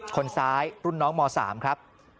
คนซ้ายรุ่นน้องม๓ครับ